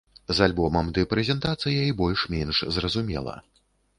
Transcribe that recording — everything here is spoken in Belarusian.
З альбомам ды прэзентацыяй больш-менш зразумела.